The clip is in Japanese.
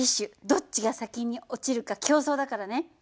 どっちが先に落ちるか競争だからね。